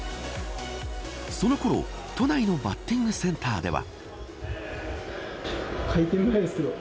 そのころ都内のバッティングセンターでは。